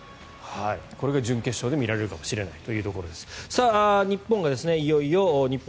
これが準決勝で見られるかもしれないと。